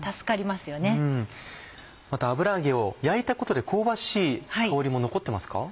また油揚げを焼いたことで香ばしい香りも残ってますか？